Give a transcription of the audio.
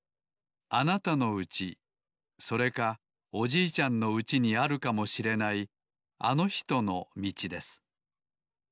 あなたのうちそれかおじいちゃんのうちにあるかもしれないあのひとのみちです